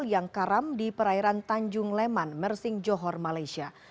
yang karam di perairan tanjung leman mersing johor malaysia